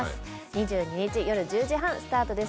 ２２日夜１０時半スタートです